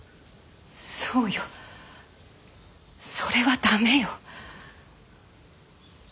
そうよ。それは駄目よ。